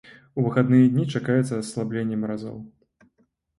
У выхадныя дні чакаецца аслабленне маразоў.